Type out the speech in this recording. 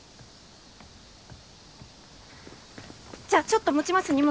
じゃあちょっと持ちます荷物。